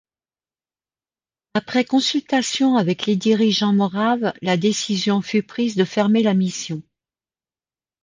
Après consultation avec les dirigeants Moraves, la décision fut prise de fermer la mission.